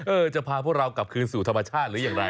จะพาพวกเรากลับคืนสู่ธรรมชาติหรืออย่างไร